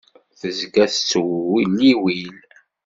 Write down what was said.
Tezga tettewliwil.